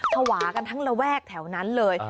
ภาวะกันทั้งระแวกแถวนั้นเลย